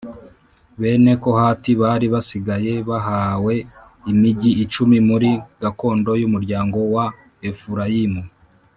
Bene Kohati o bari basigaye bahawe imigi icumi muri gakondo y umuryango wa Efurayimu